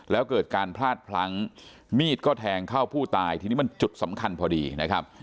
แล้วเกิดการพลาดพลั้งมีดก็แทงเข้าผู้ตายทีนี้มันจุดสำคัญพอดีนะครับ